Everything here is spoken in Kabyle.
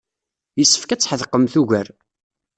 Yessefk ad tḥedqemt ugar.